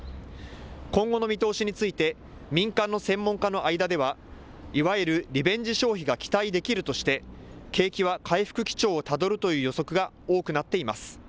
今後の見通しについて民間の専門家の間ではいわゆるリベンジ消費が期待できるとして景気は回復基調をたどるという予測が多くなっています。